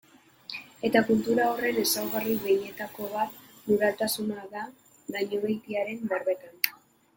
Eta kultura horren ezaugarri behinenetako bat pluraltasuna da, Dañobeitiaren berbetan.